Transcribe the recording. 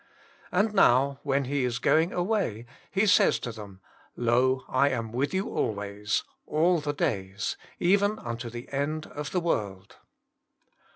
And now when He is going away, He says to them :«* Lo, behold, I am with you always ^ all the days — even unto the end of the world."